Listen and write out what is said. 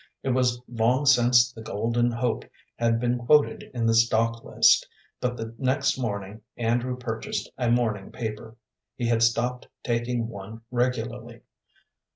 It was long since the "Golden Hope" had been quoted in the stock list, but the next morning Andrew purchased a morning paper. He had stopped taking one regularly.